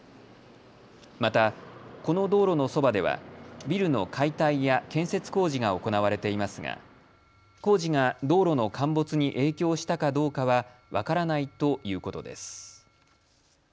また、この道路のそばではビルの解体や建設工事が行われていますが工事が道路の陥没に影響したかどうかは分からないということです。